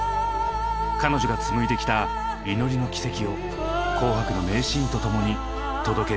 彼女がつむいできた祈りの軌跡を「紅白」の名シーンとともに届ける。